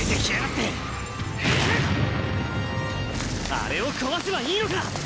あれを壊せばいいのか！